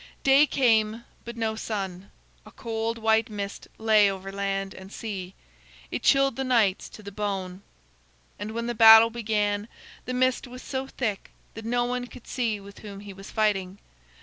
Day came, but no sun. A cold white mist lay over land and sea. It chilled the knights to the bone. And when the battle began, the mist was so thick that no one could see with whom he was fighting.